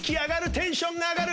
テンション上がる！